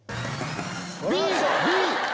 ＢＢ！